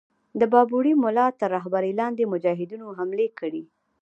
د بابړي مُلا تر رهبری لاندي مجاهدینو حملې کړې.